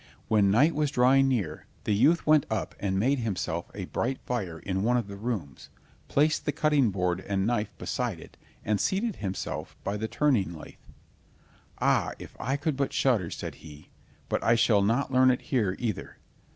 When night was drawing near, the youth went up and made himself a bright fire in one of the rooms, placed the cutting board and knife beside it, and seated himself by the turning lathe. "Ah, if I could but shudder!" said he, "but I shall not learn it here either."